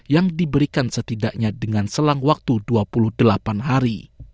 yang diberikan setidaknya dengan selang waktu dua puluh delapan hari